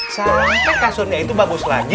sayangnya kasurnya itu bagus lagi